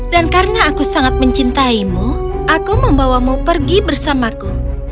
dan karena aku sangat mencintaimu aku membawamu pergi bersamaku